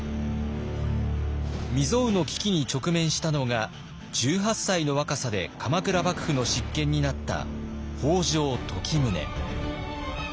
未曽有の危機に直面したのが１８歳の若さで鎌倉幕府の執権になった北条時宗。